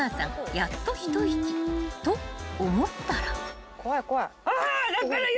やっと一息と思ったら］